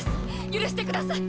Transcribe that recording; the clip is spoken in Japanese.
許してください！